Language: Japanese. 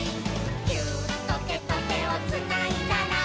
「ギューッとてとてをつないだら」